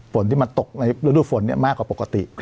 ฝนที่มันตกในรุ่นรูปฝนนี้มักกว่าปกติ